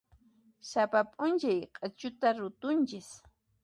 Sapa p'unchay q'achuta rutunchis.